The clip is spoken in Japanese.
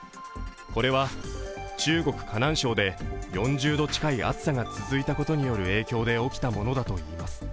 これは中国・河南省で４０度近い暑さが続いたことによる影響で起きたものだといいます。